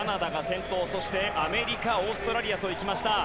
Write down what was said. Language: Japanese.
アメリカ、オーストラリアと行きました。